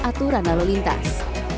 aturan lalu lintas